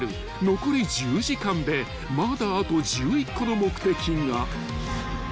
［残り１０時間でまだあと１１個の目的が］